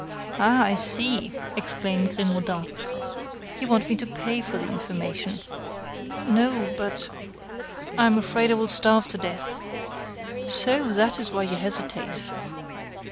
"Ah; I see!" exclaimed Grimaudan, "you want me to pay for the information." "No.... but....I am afraid I will starve to death." "So! that is why you hesitate.